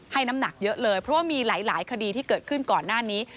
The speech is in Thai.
น้ำหนักเยอะเลยเพราะว่ามีหลายคดีที่เกิดขึ้นก่อนหน้านี้